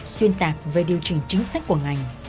xuyên tạc về điều trình chính sách của ngành